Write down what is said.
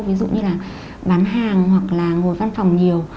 ví dụ như là bán hàng hoặc là ngồi văn phòng nhiều